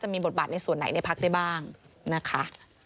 มีบทบาทในส่วนไหนในพักได้บ้างนะคะ